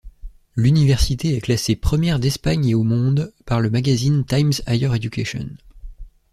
L'université est classée première d'Espagne et au monde par le magazine Times Higher Education.